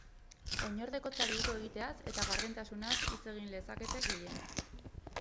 Oinordekotzari uko egiteaz eta gardentasunaz hitz egin lezakete gehienez.